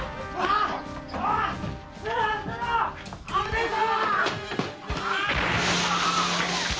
危ねえぞ‼